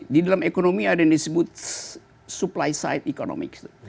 di dalam ekonomi ada yang disebut supply side economics